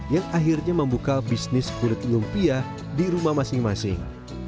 yang akhirnya membuka bisnis kulit lumpia di rumah masing masing